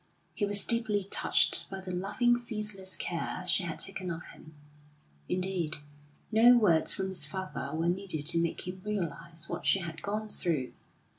He was deeply touched by the loving, ceaseless care she had taken of him; indeed, no words from his father were needed to make him realise what she had gone through.